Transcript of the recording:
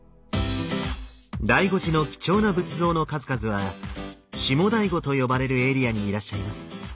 醍醐寺の貴重な仏像の数々は下醍醐と呼ばれるエリアにいらっしゃいます。